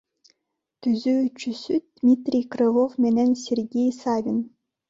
Түзүүчүсү — Дмитрий Крылов менен Сергей Савин.